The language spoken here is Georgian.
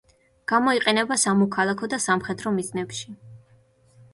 გამოიყენება სამოქალაქო და სამხედრო მიზნებში.